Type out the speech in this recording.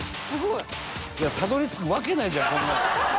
「いやたどり着くわけないじゃんこんなの」